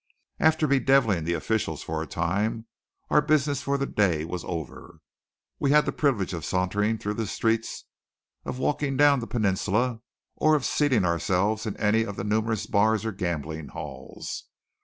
After bedevilling the officials for a time, our business for the day was over. We had the privilege of sauntering through the streets, of walking down the peninsula or of seating ourselves in any of the numerous bars or gambling halls.